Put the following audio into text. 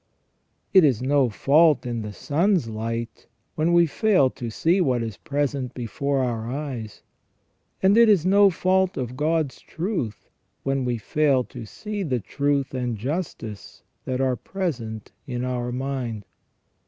It is no fault in the sun's light when we fail to see what is present before our eyes ; and it is no fault of God's truth when we fail to see the truth and justice that are present in our mind.